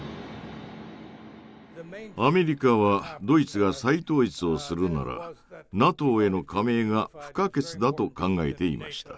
アメリカはドイツが再統一をするならＮＡＴＯへの加盟が不可欠だと考えていました。